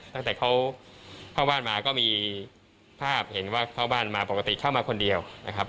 ตั้งแต่เขาเข้าบ้านมาก็มีภาพเห็นว่าเข้าบ้านมาปกติเข้ามาคนเดียวนะครับ